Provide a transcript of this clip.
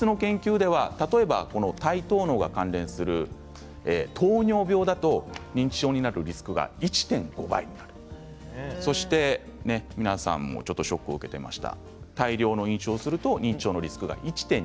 イギリスの研究では例えば耐糖能が関連する糖尿病だと認知症だとリスクが１．５倍そして皆さんもちょっとショックを受けていました